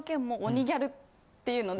っていうので。